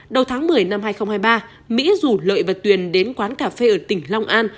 đầu tháng một mươi năm hai nghìn hai mươi ba mỹ rủ lợi và tuyền đến quán cà phê ở tỉnh long an